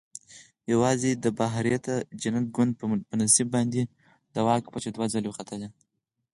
یوازې د بهاریته جنت ګوند په نصیب باندې د واک پچه دوه ځله ختلې.